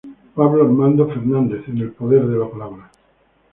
Pablo Armando Fernández en el Poder de la Palabra